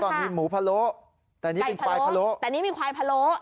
ตอนนี้หมูพะโลไก่พะโลแต่นี่เป็นควายพะโล